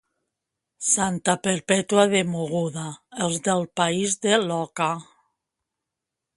Santa Perpètua de Mogoda, els del país de l'oca.